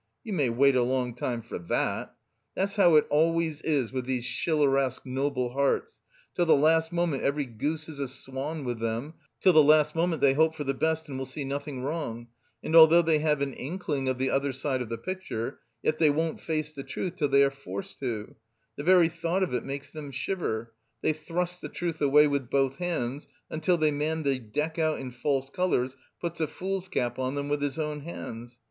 You may wait a long time for that! That's how it always is with these Schilleresque noble hearts; till the last moment every goose is a swan with them, till the last moment, they hope for the best and will see nothing wrong, and although they have an inkling of the other side of the picture, yet they won't face the truth till they are forced to; the very thought of it makes them shiver; they thrust the truth away with both hands, until the man they deck out in false colours puts a fool's cap on them with his own hands.